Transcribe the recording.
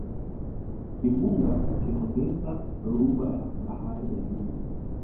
kimbunga kinaongeza dhoruba ya bahari ya hindi